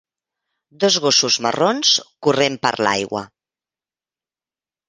Dos gossos marrons corrent per l'aigua.